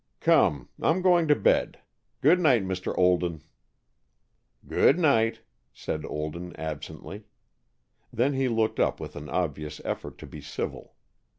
"Come, I'm going to bed. Good night, Mr. Olden." "Good night," said Olden, absently. Then he looked up, with an obvious effort to be civil.